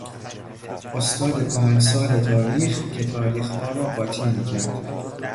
استاد کهنسال تاریخ که تاریخها را قاتی میکرد